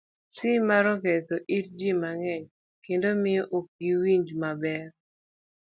C. mar Oketho it ji mang'eny kendo miyo ok giwinj maber